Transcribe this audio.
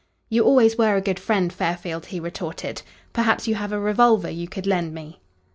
"You always were a good friend, Fairfield," he retorted. "Perhaps you have a revolver you could lend me."